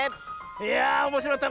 いやあおもしろかった。